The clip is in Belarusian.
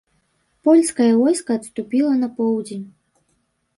Польскае войска адступіла на поўдзень.